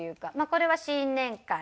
これは新年会。